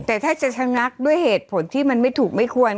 แต่ถ้าจะชะงักด้วยเหตุผลที่มันไม่ถูกไม่ควร